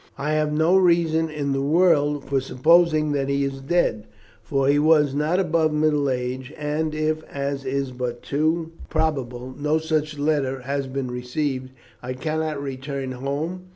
I have no reason in the world for supposing that he is dead, for he was not above middle age, and if, as is but too probable, no such letter had been received, I cannot return home.